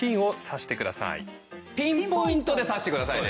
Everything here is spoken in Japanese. ピンポイントで刺して下さいね！